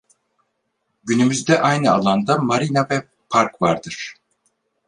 Günümüzde aynı alanda marina ve park vardır.